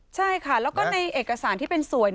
ใช่ค่ะแล้วก็ในเอกสารที่เป็นสวย